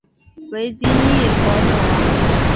为金印驼纽王。